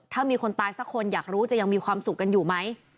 ถ้ามีคนตายสักคนอยากรู้จะยังมีความสุขกันอยู่ไหม